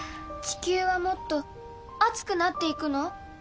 地球はもっと熱くなっていくの？